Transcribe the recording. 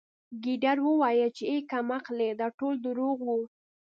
ګیدړ وویل چې اې کم عقلې دا ټول درواغ وو